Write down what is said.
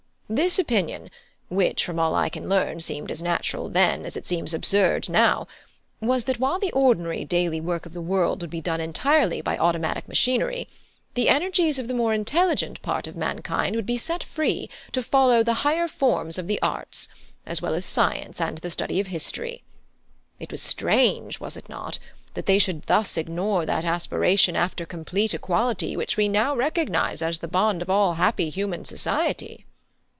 This opinion, which from all I can learn seemed as natural then, as it seems absurd now, was, that while the ordinary daily work of the world would be done entirely by automatic machinery, the energies of the more intelligent part of mankind would be set free to follow the higher forms of the arts, as well as science and the study of history. It was strange, was it not, that they should thus ignore that aspiration after complete equality which we now recognise as the bond of all happy human society?"